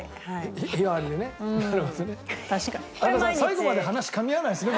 最後まで話噛み合わないですね